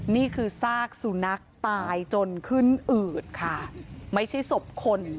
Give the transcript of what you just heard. นี่คือซากสุนัขตายจนขึ้นอืดค่ะไม่ใช่ศพคน